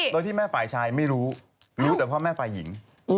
โดยที่แม่ฝ่ายชายไม่รู้รู้รู้แต่พ่อแม่ฝ่ายหญิง